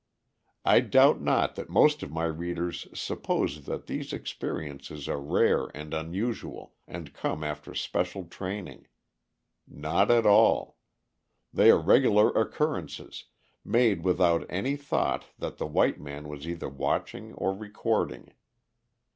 I doubt not that most of my readers suppose that these experiences are rare and unusual, and come after special training. Not at all! They are regular occurrences, made without any thought that the white man was either watching or recording.